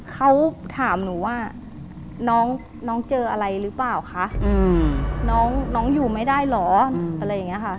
เขาถามหนูว่าน้องเจออะไรหรือเปล่าคะน้องอยู่ไม่ได้เหรอ